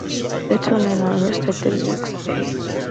The two men were arrested the next day.